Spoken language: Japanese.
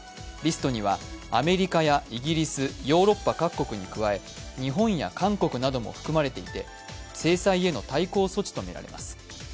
リストにはアメリカやイギリスヨーロッパ各国に加え日本や韓国なども含まれていて、制裁への対抗措置とみられます。